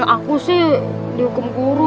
aku sih dihukum guru